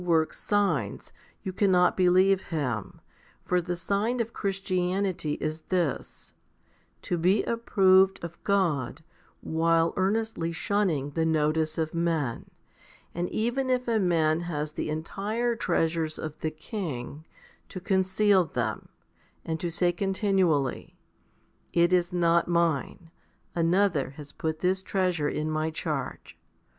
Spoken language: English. Even if he works signs you cannot believe him, for the sign of Christianity is this, to be approved of God while earnestly shunning the notice of men, and even if a man has the entire treasures of the King, to conceal them, and to say continually, " It is not mine ; another has put this treasure in my charge.